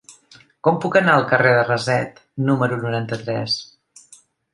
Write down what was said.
Com puc anar al carrer de Raset número noranta-tres?